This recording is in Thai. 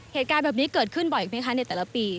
เหตุการณ์แบบนี้เกิดขึ้นบ่อยไหมคะในแต่ละปี